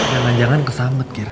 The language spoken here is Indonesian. jangan jangan kesanget kiki